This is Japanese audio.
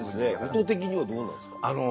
音的にはどうなんですか。